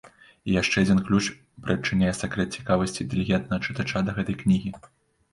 І яшчэ адзін ключ прыадчыняе сакрэт цікавасці інтэлігентнага чытача да гэтай кнігі.